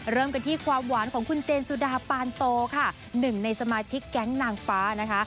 เริ่มกันที่ความหวานของคุณเจนสุดาปานโตค่ะหนึ่งในสมาชิกแก๊งนางฟ้านะคะ